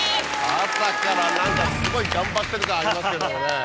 朝から何かすごい頑張ってる感ありますけどもね。